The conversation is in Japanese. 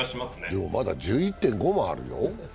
でも、まだ１１．５もあるよ？